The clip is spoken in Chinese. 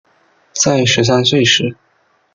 在十三岁时